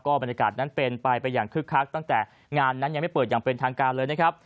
บรรยากาศนั้นเป็นไปไปอย่างคึกคักตั้งแต่งานนั้นยังไม่เปิดอย่างเป็นทางการเลยนะครับ